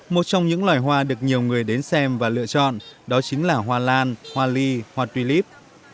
một trong những loài hoa được nhiều người đến xem và lựa chọn đó chính là hoa lan hoa ly hoa tuy líp